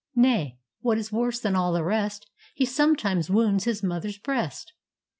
Nay, what is worse than all the rest, He sometimes wounds his mother's breast.